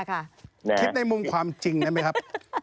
คิดในมุมความจริงได้ไหมครับ